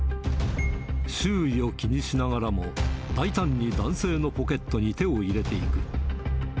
周囲を気にしながらも、大胆に男性のポケットに手を入れていく。